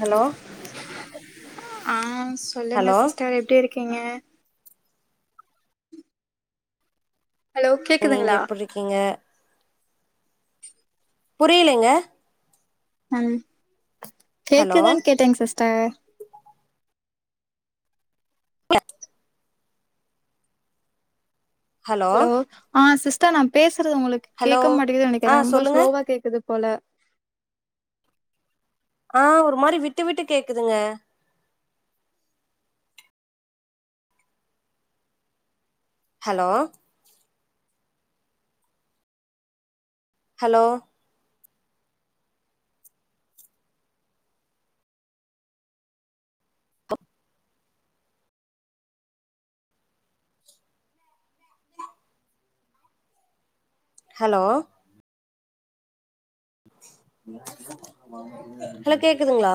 hello ஆ சொல்லுங்க hello sister எப்டி இருக்கீங்க ஹலோ நீங்க கேக்குதுங்களா எப்டி இருக்கீங்க புரியலேங்க ம் ஹலோ கேக்குதா கேட்டேங்க சிஸ்டர் ஹலோ ஆ சிஸ்டர் நா பேசுறது உங்களுக்கு ஹலோ கேட்க மாட்டேங்கிது ஆ நெனக்கிறே ரொம்ப சொல்லுங்க ஸ்லோவா கேக்குது போல ஆ ஒரு மாரி விட்டு விட்டு கேக்குதுங்க ஹலோ ஹலோ ஹலோ ஹலோ கேக்குதுங்களா